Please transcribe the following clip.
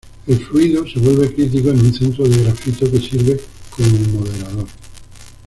El fluido se vuelve crítico en un centro de grafito que sirve como moderador.